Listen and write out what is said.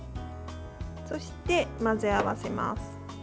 そして混ぜ合わせます。